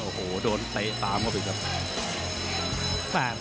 โอ้โหโดนเตะตามเข้าไปครับ